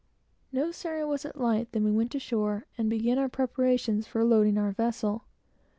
No sooner was it light than we went ashore, and began our preparations for loading our vessel.